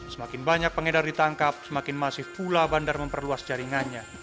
semakin banyak pengedar ditangkap semakin masif pula bandar memperluas jaringannya